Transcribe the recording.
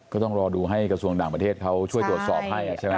ก็ต้องรอดูให้กระทรวงต่างประเทศเขาช่วยตรวจสอบให้ใช่ไหม